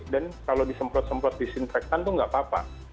dan kalau disemprot semprot disinfektan itu nggak apa apa